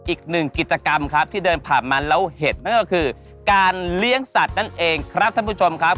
อีกหนึ่งกิจกรรมครับที่เดินผ่านมาแล้วเห็นนั่นก็คือการเลี้ยงสัตว์นั่นเองครับท่านผู้ชมครับ